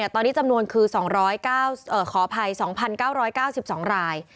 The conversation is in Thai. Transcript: ตอนนี้จำนวนคือ๒๙๙๒ราย